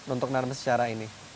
untuk nanam secara ini